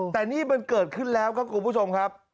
แต่นี่มันเกิดขึ้นแล้วครับคุณผู้ชมครับ